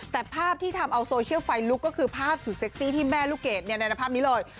แต่ภาพที่ทำเอาโซเชียลไฟลุกก็คือภาพสุดเซ็กซี่ที่แม่ลูกเกดในภาพนี้เลย